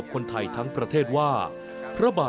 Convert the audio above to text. ติดตามได้จากรายงานพิเศษชิ้นนี้นะคะ